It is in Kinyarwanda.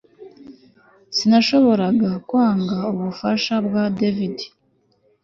Sinashoboraga kwanga ubufasha bwa David